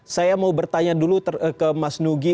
saya mau bertanya dulu ke mas nugi